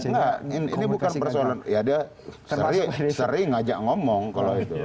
enggak ini bukan persoalan ya dia sering ngajak ngomong kalau itu